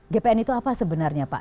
gpn itu apa sebenarnya pak